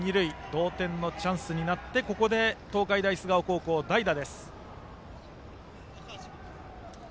同点のチャンスになって東海大菅生高校は代打です。